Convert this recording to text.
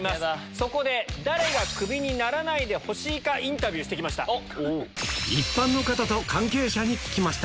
そこで誰がクビにならないでほしいかインタビューしてきました。